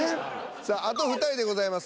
さああと２人でございます。